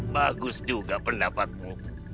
bagus juga pendapatmu